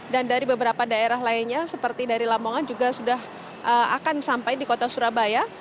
dan dari beberapa daerah lainnya seperti dari lamongan juga sudah akan sampai di kota surabaya